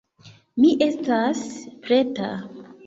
Mi estas preta